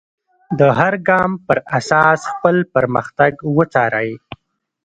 د هر ګام پر اساس خپل پرمختګ وڅارئ.